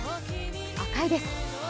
赤いです。